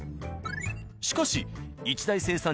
しかし一大生産地